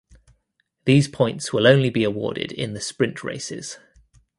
These points will only be awarded in the sprint races.